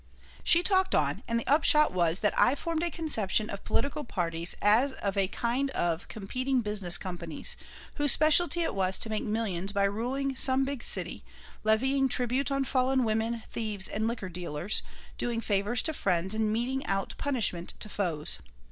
She talked on, and the upshot was that I formed a conception of political parties as of a kind of competing business companies whose specialty it was to make millions by ruling some big city, levying tribute on fallen women, thieves, and liquor dealers, doing favors to friends and meting out punishment to foes.